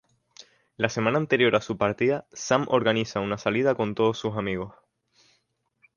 La semana anterior a su partida, Sam organiza una salida con todos sus amigos.